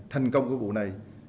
thành công của vụ này